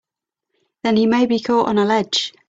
Then he may be caught on a ledge!